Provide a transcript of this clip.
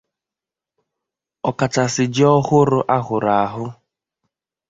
ọkachasị ji ọhụrụ a hụrụ ahụ